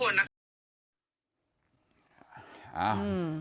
เขาก็จะพูดเหมือนกันทุกคนนะฮะ